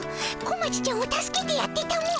小町ちゃんを助けてやってたも。